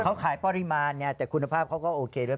เขาขายปริมาณเนี่ยแต่คุณภาพเขาก็โอเคด้วย